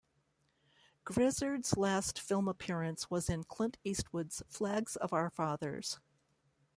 Grizzard's last film appearance was in Clint Eastwood's "Flags of Our Fathers".